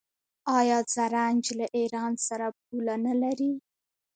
آیا زرنج له ایران سره پوله نلري؟